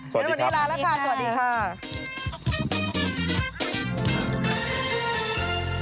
สวัสดีครับวันนี้ลาละคะสวัสดีค่ะ